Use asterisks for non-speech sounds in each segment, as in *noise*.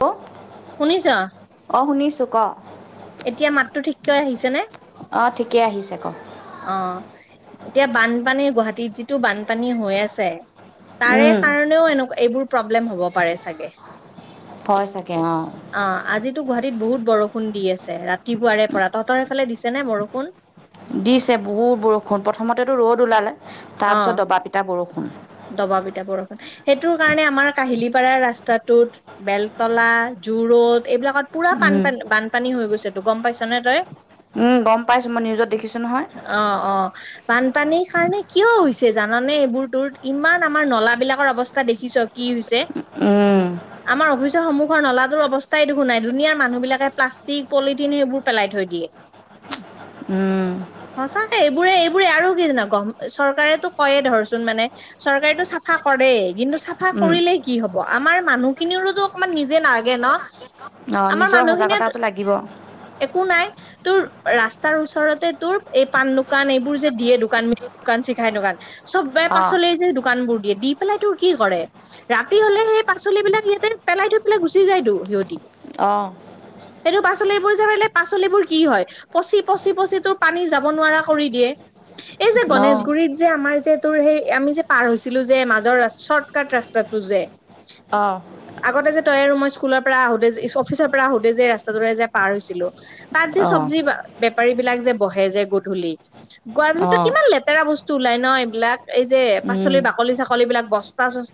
অ'। শুনিছ? অ শুনিছো ক এতিয়া মাততো ঠিককৈ আহিছে নে? অ ঠিকে আহিছে ক অ এতিয়া বানপানী গুৱাহাটীত যিটো বানপানী হৈ আছে তাৰে উম কাৰণেও এনকা এইবোৰ প্ৰব্লেম হ'ব পাৰে চাগে হয় চাগে অ অ আজিতো গুৱাহাটীত বহুত বৰষুণ দি আছে ৰাতিপুৱাৰে পৰা তহঁতৰ সিফালে দিছে নে বৰষুণ দিছে বহুত বৰষুণ প্ৰথমতেতো ৰ'দ ওলালে অ তাৰপিছত দবা পিটা বৰষুণ দবা পিটা বৰষুণ সেইটোৰ কাৰণে আমাৰ কাহিলী পাৰাৰ ৰাস্তাটোত বেলতলা জো'ৰড এইবিলাকত পুৰা উম বানপানী বানপানী হৈ গৈছে তো গম পাইছ নে তই অ', উম গম পাইছোঁ মই নিউজত দেখিছোঁ নহয় অ, বানপানীৰ কাৰণে কিয় হৈছে জাননে এইবোৰ তোৰ ইমান আমাৰ নলা বিলাকৰ অৱস্থা দেখিছ কি হৈছে। *unintelligible* আমাৰ অফিচৰ সমুখৰ নলাটোৰ অৱস্থাই দেখো নাই। দুনীয়াৰ মানুহ বিলাকে প্লাষ্টিক পলিথিন সেইবোৰ পেলাই থৈ দিয়ে সচাকে এইবোৰে এইবোৰে আৰু কি জান গভ চৰকাৰেতো কৰে ধৰচোন মানে চৰকাৰটো চাফা কৰেই কিন্তু চাফা কৰিলে কি হব? আমাৰ মানুহখিনিৰোতো অকমান নিজে নাগে ন অঁ আমাৰ নিজৰ মানুহখিনিয়ে সজাগতাটো ত লাগিব একো নাই। তোৰ ৰাস্তাৰ ওচৰতে তোৰ এই পাণ দোকান এইবোৰ যে দিয়ে দোকানী- দোকান চিখাই দোকান চবে অঁ পাচলি যে দোকান বোৰ দিয়ে দি পেলাই তোৰ কি কৰে? ৰাতি হলে সেই পাচলি বিলাক ইয়াতে পেলাই থৈ পেলাই গুচি যায়তো সিহঁতি অ', সেইটো পাচলিবোৰ জলালে পাচলিবোৰ কি হয়? পচি পচি পচি তোৰ পানী যাব নোৱাৰা কৰি দিয়ে। এই যে অঁ গণেশগুৰিত যে আমাৰ যে তোৰ সেই আমি যে পাৰ হৈছিলো যে মাজৰ চৰ্ট কট ৰাস্তাটো যে অ' আগতে যে তই আৰু মই স্কুলৰ পৰা আহোতে অফিচৰ পৰা আহোতে যে ৰাস্তাটোৰে যে পাৰ হৈছিলো। তাত যে অঁ চব্জি বেপাৰী বিলাক যে বহে যে গধূলি গোৱাৰ পিছতটো অঁ লেতেৰা বস্তু ওলাই ন এইবিলাক এই যে পাচলি বাকলি চাকলী বিলাক বস্তা চস্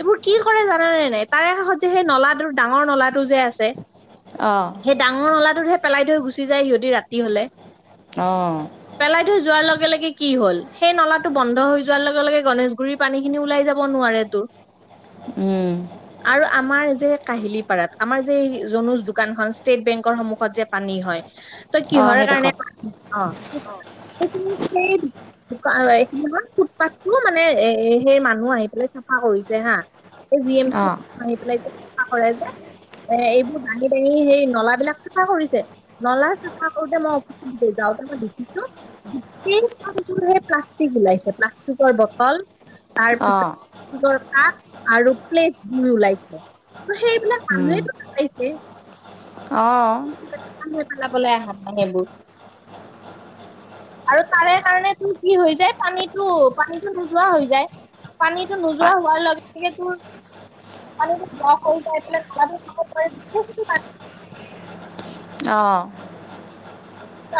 এইবোৰ কি কৰে জানানে নাই তাৰে কাষত যে সেই নলা ডাঙৰ নলাটো যে আছে। অ', সেই ডাঙৰ নলাটোতহে পেলাই থৈ গুচি যায় সিহঁতি ৰাতি হলে অ' পেলাই থৈ যোৱাৰ লগে লগে কি হ'ল সেই নলাটো বন্ধ হৈ যোৱাৰ লগে লগে গণেশগুৰিৰ পানী খিনি ওলাই যাব নোৱাৰে তোৰ *unintelligible* আৰু আমাৰ যে কাহিলী পাৰাত আমাৰ যে জনুজ দোকানখন ষ্টেট বেংকৰ সন্মুখত যে পানী হয় ত অঁ কিহৰ কাৰণে সেইডোখৰত অ, এ ফুটপাথটো মানে এ সেই মানুহ আহি পেলাই চাফা কৰিছে হা এই জি এম অঁ *unintelligible* মাৰি পেলাই চাফা কৰে যে এ এইবোৰ দাঙি দাঙি সেই নলাবিলাক চাফা কৰিছে। নলা চাফা কৰোতে মই অফিচলৈ যাওতে মই দেখিছো গোটেই হে প্লাষ্টিক ওলাইছে প্লাষ্টিকৰ বটল অঁ তাৰপিছত ষ্টিকৰ কাপ আৰু প্লেটবোৰ ওলাইছে। ত', সেইবিলাক মানুহে তো পেলাইছে। অ' পেলাবলৈ *unintelligible* আৰু তাৰে কাৰণ তো কি হৈ যায় পানীটো পানীটো নোযোৱা হৈ যায়। পানীটো অঁ নোযোৱা হোৱাৰ লগে লগে তোৰ পানীটো ব্লক হৈ যায় পেলাই গোহালিৰ কাষত পৰে অ।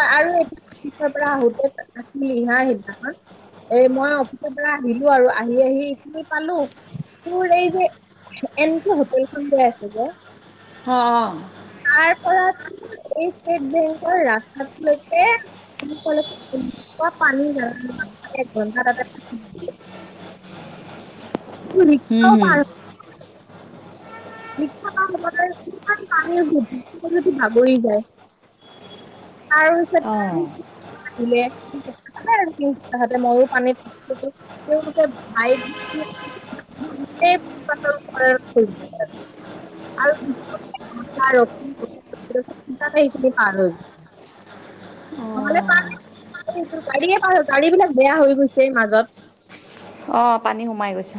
আৰু অফিচৰ পৰা আহোতে আহেই সেইদিনা এই মই অফিচৰ পৰা আহিলো আৰু আহি আহি এইখিনি পালো তোৰ এই যে এনটো হোটেলখন যে আছে যে অ, অ। তাৰ পৰা এই ষ্টেট বেংকৰ ৰাস্তাটো লৈকে *unintelligible* এনেকোৱা পানী ৰাম এক ঘণ্টা তাতে *inaudible* হুম ৰিক্সাও হুম ভাল। ৰিক্সা তাৰ লগতে কিমান পানী *inaudible* বাগৰি যায়। আৰু পিছত *unintelligible* আহিলে *unintelligible* মইয়ো পানীত *unintelligible* তেওঁলোকৰ ভাই *unintelligible* গোটেই পাতল কৰাৰ *unintelligible* *unintelligible* আৰু *unintelligible* এঘণ্টা ৰখি ৰখি কিবাকে সেইখিনি পাৰ হ'ল। নহ'লে পাৰে *unintelligible* গাড়ীয়ে পাৰ গাড়ীবিলাক বেয়া হৈ গৈছে মাজত। অ পানী সোমাই গৈছে।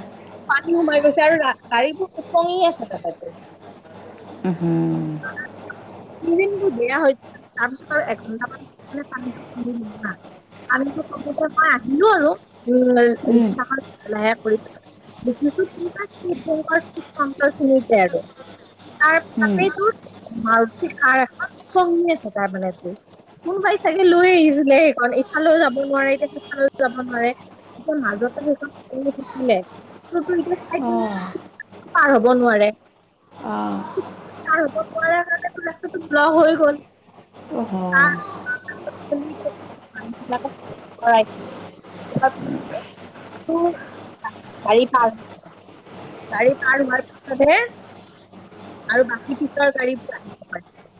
পানী সোমাই গৈছে আৰু গাড়ীবোৰ উপঙি আছিলে তাতে। উ হু। ইঞ্জিনবোৰ বেয়া হৈ *unintelligible* তাৰপিছত আৰু এঘণ্টা মান মানে পানীটো কমিল *unintelligible* পানীটো কমিলে মই আহিলো আৰু ৰিক্সাখন *unintelligible* কৰি পেলাই। *unintelligible* আৰু তাৰ উম তাতেই তোৰ মাৰুটি কাৰ এখন উপঙি আছে তাৰমানে তোৰ। কোনোবাই চাগে লৈ আহিছিলে সেইখন ইফালেও যাব নোৱাৰে এতিয়া সেইফালেও যাব নোৱাৰে। কিবা মাজতে সেইখন উপঙি থাকিলে। অ *unintelligible* পাৰ হ'ব নোৱাৰে। অ পাৰ হ'ব নোৱাৰাৰ কাৰণেটো ৰাস্তাটো ব্লক হৈ গ'ল। অহ *unintelligible* *unintelligible* গাড়ী পাৰ গাড়ী পাৰ হোৱাৰ পিছতহে আৰু বাকী পিছৰ গাড়ীবোৰ আহিব পাৰিছে।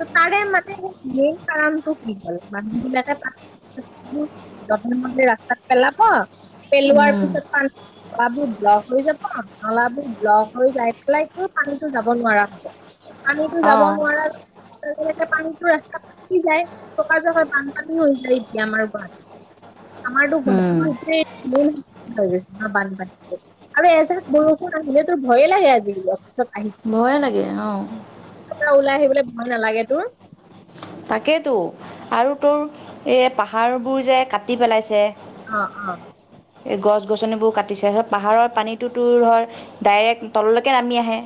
ত' তাৰে মানে সেই মেইন কাৰণটো কি হ'ল মানুহবিলাকে *unintelligible* *unintelligible* বোৰ যধে-মধে ৰাস্তাত পেলাব পেলোৱাৰ উম পিছত পানী নলাবোৰ ব্লক হৈ যাব নলাবোৰ ব্লক হৈ যাই পেলাই তোৰ পানীটো যাব নোৱাৰা হ'ব। পানীটো অ যাব নোৱাৰাৰ ত' সেনেকে পানীটো ৰাস্তাত থাকি যায় থকা *unintelligible* বানপানী হৈ যায় এতিয়া আমাৰ গুৱাহাটীত। আমাৰটো গুৱাহাটীত গোটেই *unintelligible* হৈ গৈছে। বানপানীটো আৰু এজাক বৰষুণ আহিলে তোৰ ভয়ে লাগে আজিকালি অফিচত আহি। ভয়ে লাগে অ। অফিচৰ ওলাই আহিবলে ভয় নালাগে তোৰ? তাকেইটো আৰু তোৰ এই পাহাৰবোৰ যে কাটি পেলাইছে। অ অ। এই গছ-গছনিবোৰ কাটিছে তাৰপিছত পাহাৰৰ পানীটো তোৰ ধৰ ডাইৰেক্ট তললৈকে নামি আহে।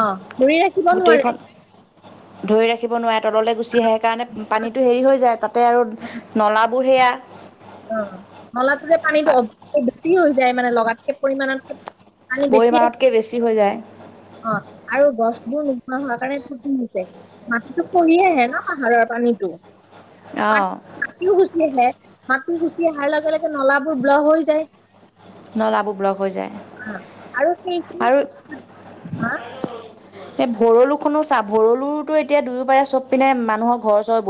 অঁ' ধৰি ৰাখিব গোটেইখন নোৱাৰে। ধৰি ৰাখিব নোৱাৰে তললে গুচি আহে সেইকাৰণে পানীটো হেৰি হৈ যায় তাতে আৰু নলা- বোৰ সেইয়া- অঁ' নলাটো যে পানীটো অতিকে বেছি হৈ যায় মানে লগাতকে পৰিমানতকে- পানী বেছি- পৰিমাণতকৈ বেছি হৈ যায় অঁ আৰু গছবোৰ নোহোৱা হোৱা কাৰণে ক্ষতি হৈছে। মাটিতো খহি আহে ন' পাহাৰৰ পানীটো। অহ'। মাটিও গুচি আহে, মাটি গুচি আহাৰ লগে লগে নলাবোৰ ব্লক হৈ যায়। নলাবোৰ ব্লক হৈ যায় অঁ আৰু আৰু সেইখিনি *unintelligible* এই ভৰলু খনো চা, ভৰলুতো এতিয়া দুয়োপাৰে চ'ব পিনে মানুহৰ ঘৰ চৰ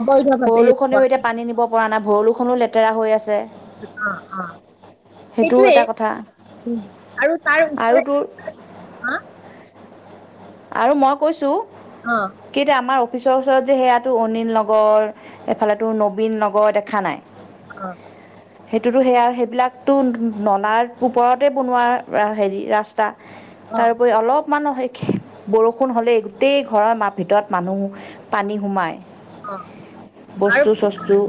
অবৈধ ভাৱে ভৰলুখনেও এতিয়া পানী নিব পৰা নাই ভৰলুখনো লেতেৰা হৈ আছে। অঁ' অঁ। সেইটো এটা কথা। উমঁ' আৰু তাৰ আৰু ওপৰে- তোৰ- হা আৰু মই কৈছোঁ। অঁ। কি এতিয়া আমাৰ অফিচৰ ওচৰত যে সেয়াটো অনিল নগৰ, এইফালে তোৰ নবীন নগৰ দেখা নাই। অঁ। সেইটোতো সেয়া সেইবিলাকতো নলাৰ ওপৰতে বনোৱা হেৰি ৰা স্তা, অ তাৰোপৰি অলপ মানো- বৰষুণ হ'লেই গোটেই ঘৰৰ মাহ ভিতৰত মানুহ পানী সোমায়। অ আৰু বস্তু কি- চস্তু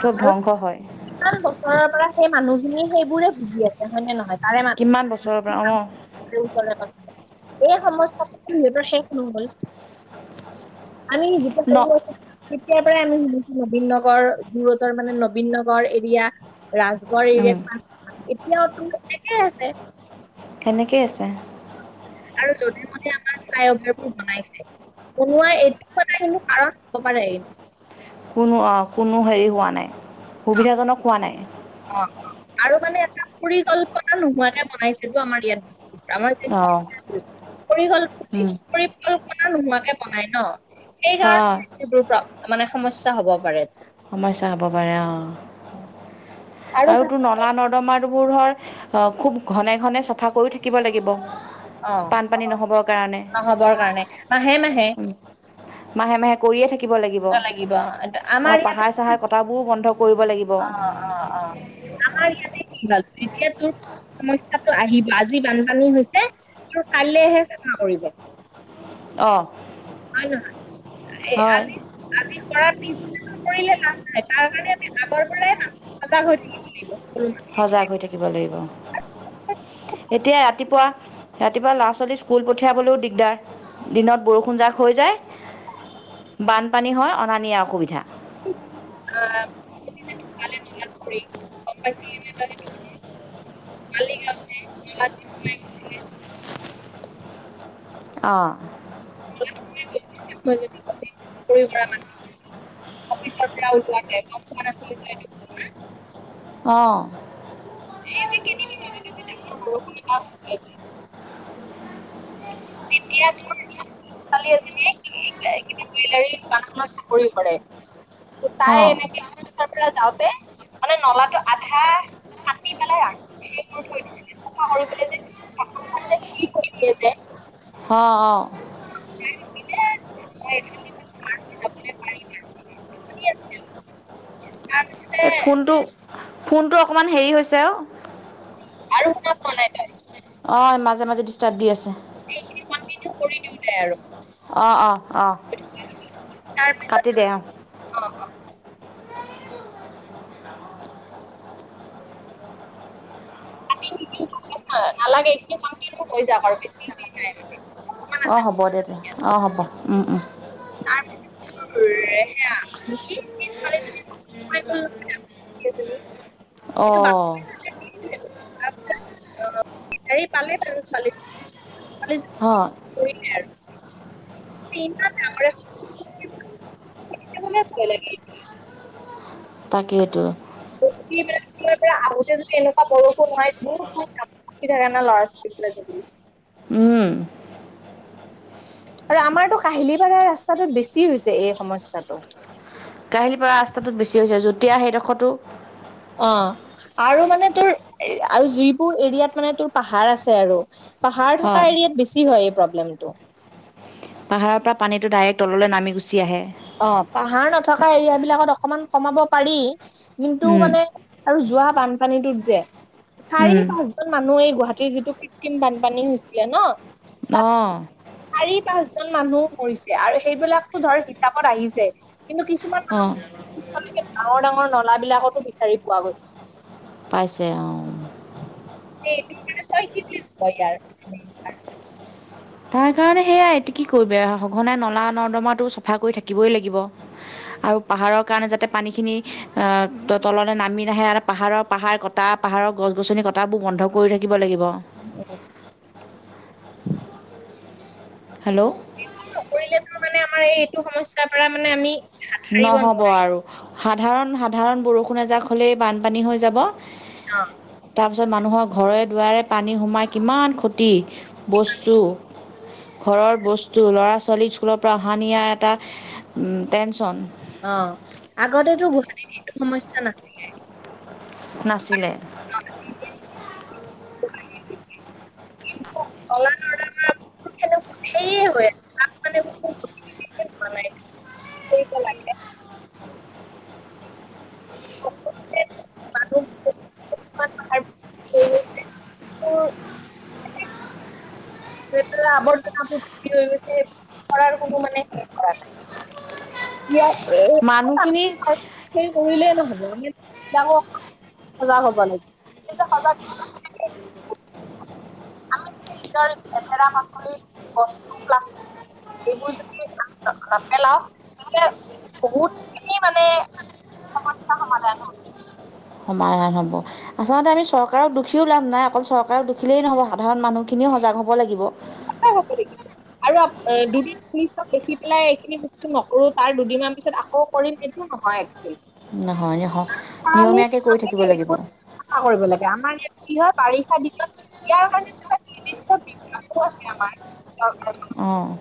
চ'ব ধ্বংস হয়। ইমান বছৰৰ পৰা সেই মানুহখিনিয়ে সেইবোৰে ভুগি আছে, হয় নে নহয়। তাৰে মান কিমান বছৰৰ পৰা অঁ'। *unintelligible* এই সমস্যাটো কিন্তু সিহঁতৰ শেষ নহ'ব। আমি *unintelligible* ন তেতিয়াৰ পৰাই আমি শুনিছোঁ নবীন নগৰ যোৰডৰ মানে নবীন নগৰ এৰিয়া- ৰাজগড় এৰিয়া *unintelligible* এতিয়াওতো একেই আছে। সেনেকেই আছে। আৰু যদিও মানে আমাৰ ফ্লাই অভাৰ বোৰ বনাইছে- বনোৱা এইটো কথা কিন্তু কাৰণ হ'ব পাৰে। কোনো অঁ' কোনো হেৰি হোৱা নাই সুবিধাজনক হোৱা নাই। অঁ' অঁ আৰু মানে এটা পৰিকল্পনা নোহোৱাকে বনাইছেতো আমাৰ ইয়াত। আমাৰ যি অঁ পৰিকল্প *unintelligible* পৰিকল্পনা নোহোৱাকে বনাই ন'। সেই কাৰণে হয় *unintelligible* এইবোৰ মানে সমস্যা হ'ব পাৰে। সমস্যা হ'ব পাৰে অঁ আৰু তোৰ নলা-নদমাৰ বোৰ ধৰ খুব ঘনে ঘনে চাফা কৰি থাকিব লাগিব। অ অ, বানপানী নহ'বৰ কাৰণে। নহ'বৰ কাৰণে মাহে মাহে মাহে মাহে কৰিয়ে থাকিব লাগিব। কিবা এটা। পাহাৰ চাহাৰ কটাবোৰো বন্ধ কৰিব লাগিব। অ', অ', অ', আমাৰ ইয়াতে কি ওলাল? যেতিয়া তোৰ সমস্যাটো আহিবি, আজি বানপানী হৈছে, তোৰ কাইলৈহে চাফা কৰিব। *inaudible* অ'। হয় নে নহয়? এই আজি আজি কৰা, পিছদিনাখন কৰিলে লাভ নাই, তাৰ কাৰণে আমি আগৰ পৰাই, মানুহ সজাগ হৈ থাকিব লাগিব। সজাগ হৈ থাকিব লাগিব, অ'। সকলো মানুহ এতিয়াই ৰাতিপুৱা, ৰাতিপুৱা ল'ৰা-ছোৱালী স্কুল পঠিয়াবলৈও দিগদাৰ। দিনত বৰষুণজাক হৈ যায়। বানপানী হয়, অনা-নিয়া অসুবিধা *inaudible* মানে দুনিয়াত ফুৰি, গম পাইছে *unintelligible* *unintelligible* বুলি কোৱাই নাছিলে। অ'। *unintelligible* মই যদি *unintelligible* ঘূৰি ফুৰা মানুহ অফিচৰ পৰা ওলোৱা নাই, গম পোৱা নাছিলে বোলে এইটো অ'। এই যে *unintelligible* যে, ডাঙৰ বৰষুণ এজাক *unintelligible* তেতিয়া তোৰ *unintelligible* ছোৱালী এজনীয়ে *unintelligible* জুৱেলাৰি দোকান এখনত চাকৰিও কৰে। তাই অঁ এনেকে *unintelligible* পৰা যাওঁতে, মানে নলাটো আধা কাটি পেলাই *unintelligible* থৈ দিছিলে। *unintelligible* কৰিবলে যে, কাপোৰখন যে, খুলি পৰিলে যে অ', অ'। *unintelligible* পাৰিম। *unintelligible* তাৰপিছতে এই ফোনটো, ফোনটো অকণমান হেৰি হৈছে অ'। আৰু, শুনা পোৱা নাই তই? অ', মাজে-মাজে ডিষ্টাৰ্ব দি আছে। সেইখিন কন্টিনিউ কৰি দিওঁ দে আৰু অ', অ', অ', তাৰপিছত কাটি দে, অ'। *unintelligible* নালাগে, এইখিনি কন্টিনিউ হৈ যাওক আৰু, বেছি হেৰি, নাই মানে অ', হ'ব দে, থ', অ', হ'ব, উম, উম। তাৰপিছত তোৰ *unintelligible* সেই তুমি এইটো *unintelligible* অ', *unintelligible* হেৰি পালে বাৰু, ছোৱালী *unintelligible* হ কৰিলে আৰু ট্ৰেইনত আমাৰে *unintelligible* মাইকী মানুহৰে ভয় লাগে *unintelligible* তাকেই তো *unintelligible* তেতিয়াৰ পৰা আহোঁতে যদি, এনেকুৱা বৰষুণ হয় *unintelligible* কিন্তু, এনে ল'ৰা-ছোৱালী *unintelligible* উম। আৰু আমাৰতো কাহিলীপাৰা ৰাস্তাটোত বেছি হৈছে, এই সমস্যাটো কাহিলীপৰাৰ ৰাস্তাটো বেছি হৈছে যেতিয়া সেই দষটো - অ, আৰু মানে তোৰ আৰু যিবোৰ এৰিয়াত মানে তোৰ পাহাৰ আছে আৰু। পাহাৰ থকা হয় এৰিয়াত বেছি হয় এই প্ৰব্লেমটো। পাহাৰৰ পৰা পানীটো ডাইৰেক্ট তললে নামি গুছি আহে। অ, পাহাৰ নথকা এৰিয়া বিলাকত অকমান কমাব পাৰি। কিন্তু উম, মানে - আৰু যোৱা বানপানীটোত যে উম, চাৰি পাঁচ - জন মানুহয়েই গুৱাহাটীৰ যিটো কৃত্ৰিম বানপানী হৈছিলে ন। তাত - অ', চাৰি পাঁচজন মানুহো মৰিছে আৰু সেইবিলাকটো ধৰ - কিতাপত আহিছে কিন্তু কিছুমান মানুহ - অ', পিছলৈকে ডাঙৰ ডাঙৰ নলা বিলাকতো বিচাৰি পোৱা গৈছে। পাইছে অ। *unintelligible* তাৰ কাৰণে সেয়াই এইটো কি কৰিব সঘনাই নলা নৰ্দমাটো চফা কৰি থাকিবই লাগিব। আৰু পাহাৰৰ কাৰণে যাতে পানীখিনি - এ তললে নামি নাহে আৰু পাহাৰৰ পাহাৰ কটা পাহাৰৰ গছ গছনি কটাবোৰ বন্ধ কৰি থাকিব লাগিব। *unintelligible* হেল্লো'। বেয়া কাম নকৰিলেতো মানে আমাৰ এই এইটো সমস্যাৰ পৰা মানে আমি - নহ'ব আৰু সাধাৰণ সাধাৰণ বৰষুণ এজাক হ'লেই বানপানী হৈ যাব। কিয়? তাৰপিছত মানুহৰ ঘৰে দুৱাৰে পানী সোমাই কিমান ক্ষতি বস্তু। ঘৰৰ বস্তু ল'ৰা-ছোৱালী স্কুলৰ পৰা অহা নিয়াৰ এটা টেনশ্যন। অ, আগতেতো গুৱাহাটীত এইটো সমস্যা নাছিলে। নাছিলে। *unintelligible* নলা- নৰ্দমাত - কেনেকুৱা সেইয়ে হয় *unintelligible* কৰিব লাগে *unintelligible* কিমান লেতেৰা আৱৰ্জনাবোৰ ভৰ্তি হৈ গৈছে, সেই বোৰ চফা কৰাৰ কোনো মানে হেৰি কৰা নাই। মানুহখিনি *unintelligible* সেই কৰিলেই নহব *unintelligible* ডাঙৰ সজাগ হব লাগেব। সেই যে সজাগ - তৰ লেতেৰা বাকলি বস্তু প্লা এইবোৰ যদি নেপেলাও তেতিয়া - বহুতখিনি মানে সমস্যা সমাধান হব। সমাধান হ'ব। আচলতে আমি চৰকাৰক দুখিও লাভ নাই অকল চৰকাৰক দুখিলেই নহ'ব সাধাৰণ মানুহখিনিও সজাগ হ'ব লাগিব। *unintelligible* আৰু দুদিন পলিচক দেখি পেলাই এইখিনি বস্তু নকৰো তাৰ দুদিনমান পিছত আকৌ কৰিম এই - টো তো নহয় একচুৱেলি। নহয় নহয় নিয়মীয়াকে কৰি থাকিব লাগিব। চাফা কৰিব লাগে আমাৰ ইয়াত কি হয় বাৰিষা দিনত ইয়াৰ কাৰণে নিৰ্দিষ্ট বিভাগো আছে। দিয়া হয় *unintelligible* অঁ অ।